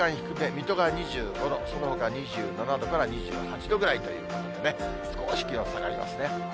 水戸が２５度、そのほか２７度から２８度ぐらいということでね、少し気温下がりますね。